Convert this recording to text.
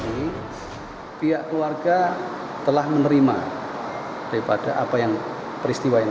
senin pagi dengan penolakan ini pihak keluarga telah menerima daripada apa yang peristiwa yang